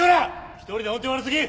一人で音程悪すぎ！